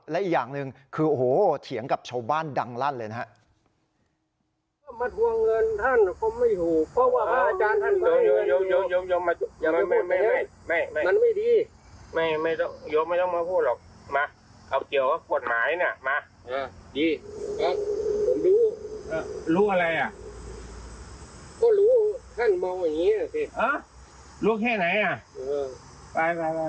และอีกอย่างหนึ่งคือโอ้โหเถียงกับชาวบ้านดังลั่นเลยนะครับ